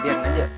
udah biarin aja